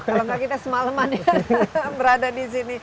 kalau tidak kita semalaman berada di sini